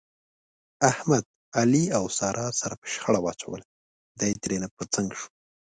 احمد، علي او ساره سره په شخړه واچول، دی ترېنه په څنګ شو.